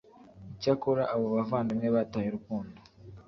icyakora abo bavandimwe bataye urukundo